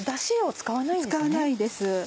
使わないです。